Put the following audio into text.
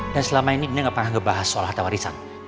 dan selama ini dina gak pernah ngebahas soal hatta warisan